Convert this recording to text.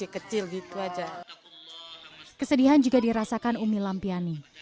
kesedihan juga dirasakan umi lampiani